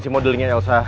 gue harus gimana sekarang